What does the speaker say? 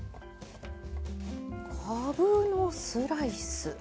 かぶのスライス。